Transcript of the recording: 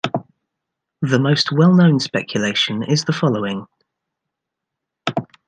The most well-known speculation is the following.